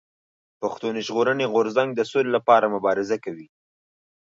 پښتون ژغورني غورځنګ د سولي لپاره مبارزه کوي.